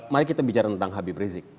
mari kita bicara tentang habib rizik